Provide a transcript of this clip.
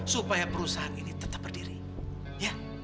supaya perusahaan ini tetap berdiri ya